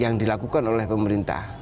yang dilakukan oleh pemerintah